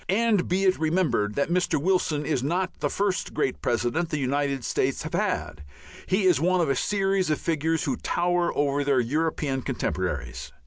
And be it remembered that Mr. Wilson is not the first great President the United States have had, he is one of a series of figures who tower over their European contemporaries.